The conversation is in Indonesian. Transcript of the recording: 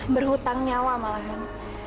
berhutang nyawa malahan